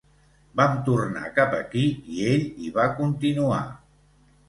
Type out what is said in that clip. Vam tornar cap aquí i ell hi va continuar.